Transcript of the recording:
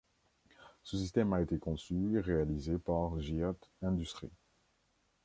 Ce système a été conçu et réalisé par Giat Industries.